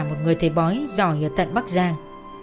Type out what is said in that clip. một người thầy bói giỏi ở tận bắc giang